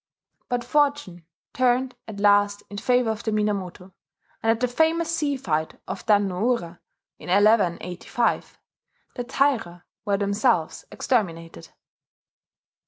But fortune turned at last in favour of the Minamoto; and at the famous sea fight of Dan no ura, in 1185, the Taira were themselves exterminated.